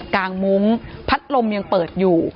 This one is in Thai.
งมุ้งพัดลมยังเปิดอยู่